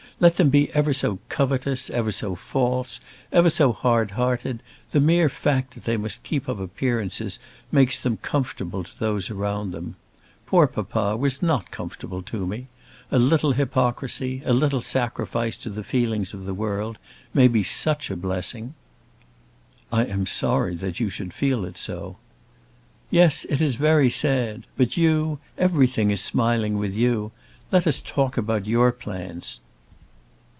Let them be ever so covetous, ever so false, ever so hard hearted, the mere fact that they must keep up appearances, makes them comfortable to those around them. Poor papa was not comfortable to me. A little hypocrisy, a little sacrifice to the feelings of the world, may be such a blessing." "I am sorry that you should feel it so." "Yes; it is sad. But you; everything is smiling with you! Let us talk about your plans."